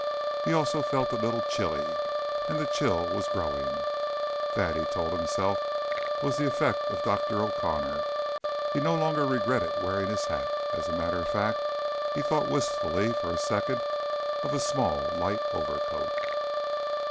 He also felt a little chilly, and the chill was growing. That, he told himself, was the effect of Dr. O'Connor. He no longer regretted wearing his hat. As a matter of fact, he thought wistfully for a second of a small, light overcoat.